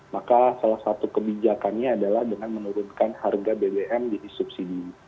maka salah satu kebijakannya adalah dengan menurunkan harga bbm di subsidi